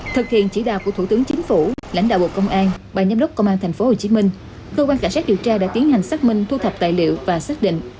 thực hiện chỉ đạo của thủ tướng chính phủ lãnh đạo bộ công an ban giám đốc công an tp hcm cơ quan cảnh sát điều tra đã tiến hành xác minh thu thập tài liệu và xác định